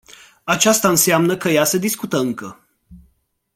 Aceasta înseamnă că ea se discută încă.